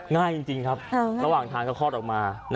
ง่ายจริงครับระหว่างทางก็คลอดออกมา